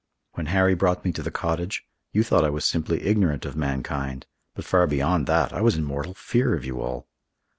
When Harry brought me to the cottage, you thought I was simply ignorant of mankind, but, far beyond that, I was in mortal fear of you all.